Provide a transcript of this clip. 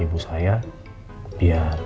biar ibu saya seneng kalo calon bantunya cantik banget